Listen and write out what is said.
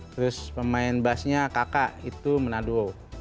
terus pemain basnya kakak itu menado